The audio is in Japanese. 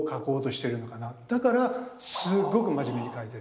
だからすごく真面目に描いてる。